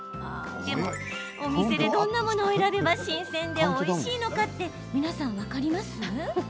でも、お店でどんなものを選べば新鮮でおいしいのかって皆さん分かります？